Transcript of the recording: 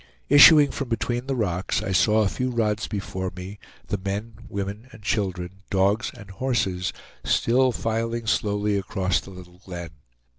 Issuing from between the rocks I saw a few rods before me the men, women, and children, dogs and horses, still filing slowly across the little glen.